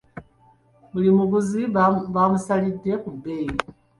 Buli muguzi baamusalidde ku bbeeyi.